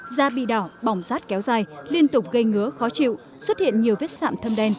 da bị đỏ bỏng rát kéo dài liên tục gây ngứa khó chịu xuất hiện nhiều vết sạm thâm đen